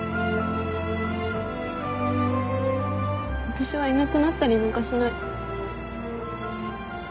私はいなくなったりなんかしない。